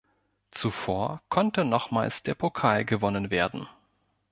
Zuvor konnte nochmals der Pokal gewonnen werden.